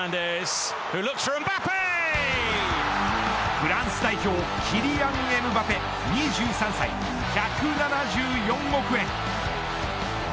フランス代表キリアン・エムバペ２３歳１７４億円。